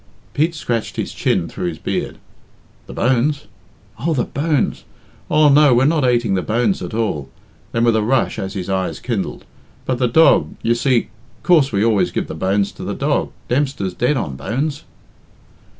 Pete scratched his chin through his beard. "The bones? Oh, the bones? Aw, no, we're not ateing the bones, at all." Then with a rush, as his eyes kindled, "But the dog, you see coorse we always give the bones to the dog Dempster's dead on bones."